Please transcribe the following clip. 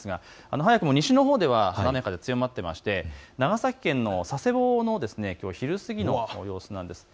早くも西のほうでは雨風強まっていまして長崎県佐世保のきょうの昼過ぎの様子です。